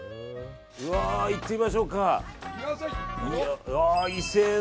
行ってみましょうか。